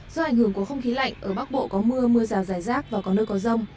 do ảnh hưởng của không khí lạnh ở bắc bộ có mưa mưa rào rải rác và có nơi có rông